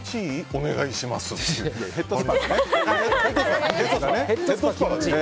お願いしますって。